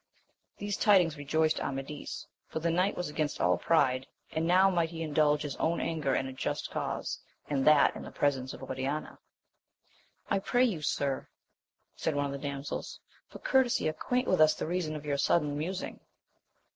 These tidings rejoiced Amadis, for the knight was against all pride, and now might he indulge his own anger in a just cause, and that in the presence of Oriana. I pray ye, sir, said one of the damsels, for <50urtesy acquaint us with the reason of your sudden musing.